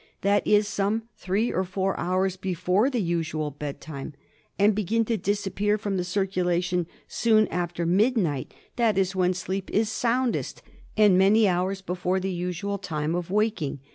that is some three or four hours before the usual bed time, and begin to disappear from the circulation soon after midnight, that is when sleep is soundest and many hours before the usual time of waking